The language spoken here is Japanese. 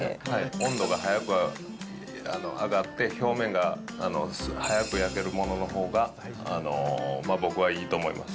温度が早く上がって、表面が早く焼けるもののほうが僕はいいと思います。